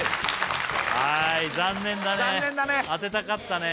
はい残念だね